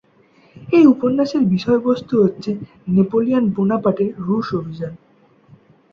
এই উপন্যাসের বিষয়বস্তু হচ্ছে নেপোলিয়ন বোনাপার্ট-এর রুশ অভিযান।